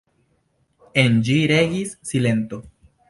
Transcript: En ĝi regis silento.